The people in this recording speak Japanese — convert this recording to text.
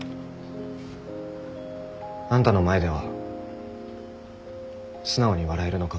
あんたの前では素直に笑えるのかもな。